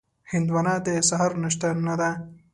هندوانه د سهار ناشته نه ده.